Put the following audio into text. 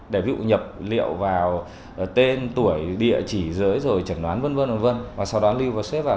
để ví dụ nhập liệu vào tên tuổi địa chỉ giới rồi chẩn đoán vân vân và sau đó lưu và xếp vào